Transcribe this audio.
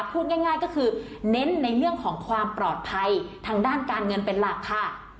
พูดง่ายก็คือเน้นในเรื่องของความปลอดภัยทางด้านการเงินเป็นหลักค่ะ